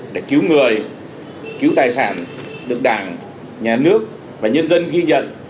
những người cứu tài sản được đảng nhà nước và nhân dân ghi nhận